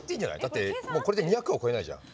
だってもうこれで２００はこえないじゃん。